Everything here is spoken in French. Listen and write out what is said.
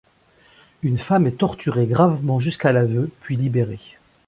Une femme est torturée gravement jusqu'à l'aveu puis libérée.